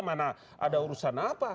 mana ada urusan apa